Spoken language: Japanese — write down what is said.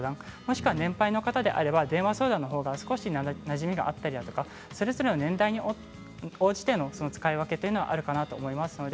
年配の方であれば電話相談のほうがなじみがあったり年代に応じての使い分けがあるかと思います。